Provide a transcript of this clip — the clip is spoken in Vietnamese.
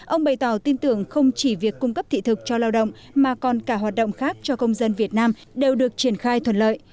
ông bày tỏ tin tưởng không chỉ việc cung cấp thị thực cho lao động mà còn cả hoạt động khác cho công dân việt nam đều được triển khai thuận lợi